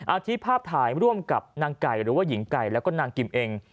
อาทิตย์ภาพถ่ายร่วมกับนางไก่หรือว่าหญิงไก่แล้วก็นางกิมเอง